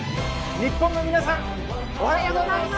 日本の皆さんおはようございます。